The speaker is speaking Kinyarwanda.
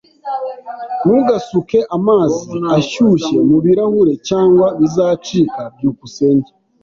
Ntugasuke amazi ashyushye mubirahure cyangwa bizacika. byukusenge